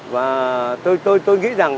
và tôi nghĩ rằng